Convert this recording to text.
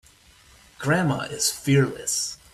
Grandma is fearless.